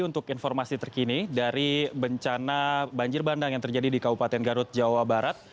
untuk informasi terkini dari bencana banjir bandang yang terjadi di kabupaten garut jawa barat